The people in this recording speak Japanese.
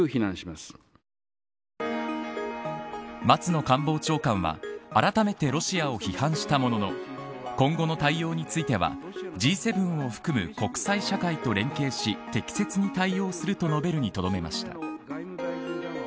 松野官房長官はあらためてロシアを批判したものの今後の対応についてはＧ７を含む国際社会と連携し適切に対応すると述べるにとどまりました。